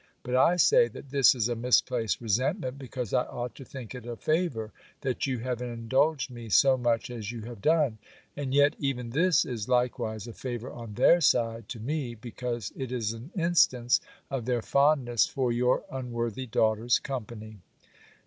But I say, that this is a misplaced resentment, because I ought to think it a favour, that you have indulged me so much as you have done. And yet even this is likewise a favour on their side, to me, because it is an instance of their fondness for your unworthy daughter's company.